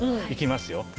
いきますよ。